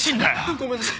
ごめんなさい！